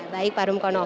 baik pak rumkono